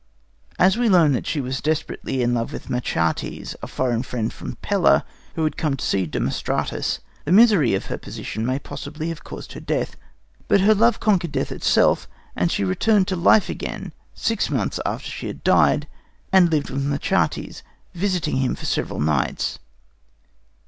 As we learn that she was desperately in love with Machates, a foreign friend from Pella who had come to see Demostratus, the misery of her position may possibly have caused her death. But her love conquered death itself, and she returned to life again six months after she had died, and lived with Machates, visiting him for several nights.